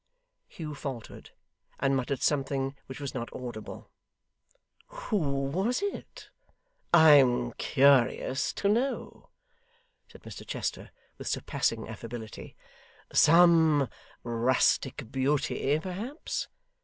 Hugh faltered, and muttered something which was not audible. 'Who was it? I am curious to know,' said Mr Chester, with surpassing affability. 'Some rustic beauty perhaps?